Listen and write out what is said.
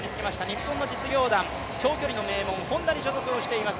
日本の実業団、長距離の名門Ｈｏｎｄａに所属をしています。